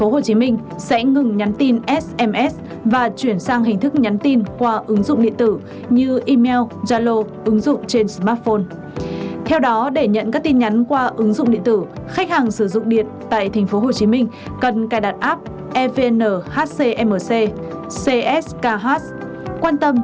hãy đăng ký kênh để nhận thông tin nhất